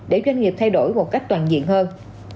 để doanh nghiệp thay đổi một cách toàn diện hơn